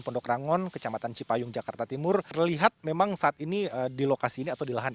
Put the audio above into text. pondok rangon kecamatan cipayung jakarta timur terlihat memang saat ini di lokasi ini atau di lahan